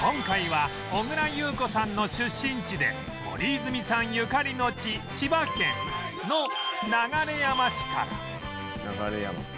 今回は小倉優子さんの出身地で森泉さんゆかりの地千葉県の流山市から